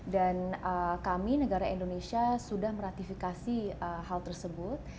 dan kami negara indonesia sudah meratifikasi hal tersebut